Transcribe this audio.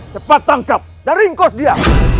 cepat tangkap dan ringkos dia